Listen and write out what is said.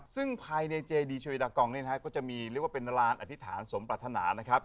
ซึ่งภายในเจดีเชวดากองก็จะมีนร้านอธิษฐานสมปรฐนา